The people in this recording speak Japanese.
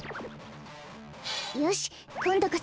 よしこんどこそ！